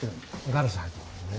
ガラス入ってますね。